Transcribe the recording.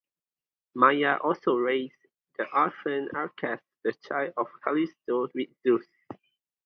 Maia also raised the infant Arcas, the child of Callisto with Zeus.